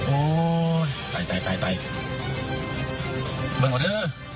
โอ้ยตายตายตายตายเบิ้งอ่ะเด้อ